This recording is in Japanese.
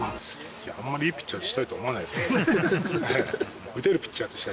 いや、あまりいいピッチャーとしたいと思わないですね。